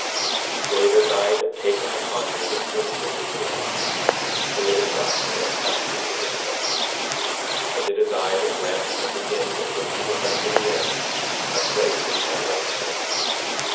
26:23 For it is I that taketh upon me the sins of the world; for it is I that hath created them; and it is I that granteth unto him that believeth unto the end a place at my right hand.